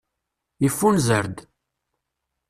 Yeffunzer-d.